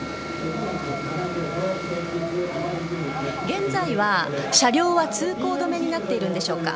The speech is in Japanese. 現在は車両は通行止めになっているんでしょうか。